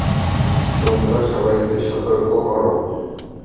তোমরা সবাইকে সতর্ক করো।